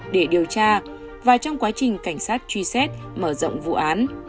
để điều tra và trong quá trình cảnh sát truy xét mở rộng vụ án